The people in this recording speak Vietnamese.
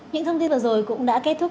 những thông tin vừa rồi cũng đã kết thúc